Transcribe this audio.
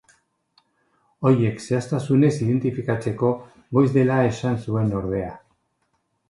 Horiek zehaztasunez identifikatzeko goiz dela esan zuen ordea.